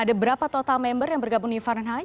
ada berapa total member yang bergabung di fahrenheit